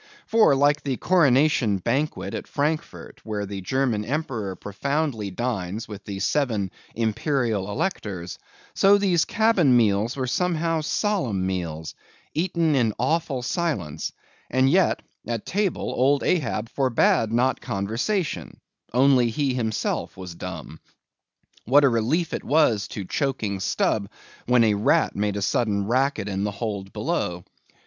For, like the Coronation banquet at Frankfort, where the German Emperor profoundly dines with the seven Imperial Electors, so these cabin meals were somehow solemn meals, eaten in awful silence; and yet at table old Ahab forbade not conversation; only he himself was dumb. What a relief it was to choking Stubb, when a rat made a sudden racket in the hold below.